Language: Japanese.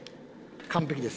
完璧です。